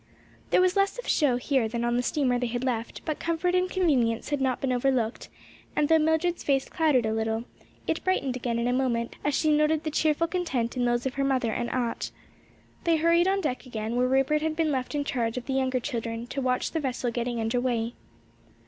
There was less of show here than on the steamer they had left, but comfort and convenience had not been overlooked, and though Mildred's face clouded a little, it brightened again in a moment as she noted the cheerful content in those of her mother and aunt. They hurried on deck again where Rupert had been left in charge of the younger children, to watch the vessel getting under way.